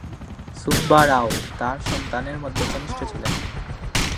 সুব্বা রাও তার সন্তানের মধ্যে কনিষ্ঠ ছিলেন।